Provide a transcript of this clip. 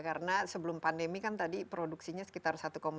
karena sebelum pandemi kan tadi produksinya sekitar satu delapan